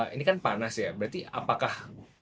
ini kan panas ya berarti apakah